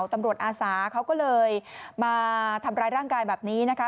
อาสาเขาก็เลยมาทำร้ายร่างกายแบบนี้นะคะ